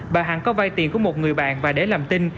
bà hằng có vay tiền của một người bạn và để làm tin